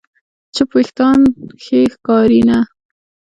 چپ وېښتيان ښې ښکاري نه.